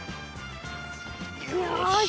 よし。